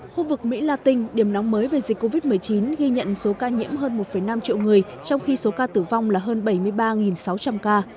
khu vực mỹ latin điểm nóng mới về dịch covid một mươi chín ghi nhận số ca nhiễm hơn một năm triệu người trong khi số ca tử vong là hơn bảy mươi ba sáu trăm linh ca